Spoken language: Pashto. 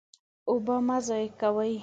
اوبه مه ضایع کوئ.